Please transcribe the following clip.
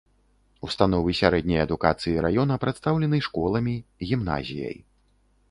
Установы сярэдняй адукацыі раёна прадстаўлены школамі, гімназіяй.